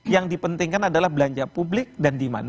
yang dipentingkan adalah belanja publik dan demand